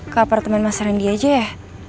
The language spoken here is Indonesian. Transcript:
ke apartemen mas rendi aja ya